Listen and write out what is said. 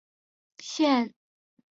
现在也不是那么缺钱了